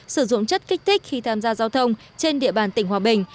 sử dụng chất kích thích khi tham gia giao thông trên địa bàn tỉnh hòa bình